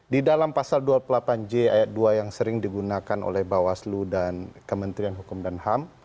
di dalam pasal dua puluh delapan j ayat dua yang sering digunakan oleh bawaslu dan kementerian hukum dan ham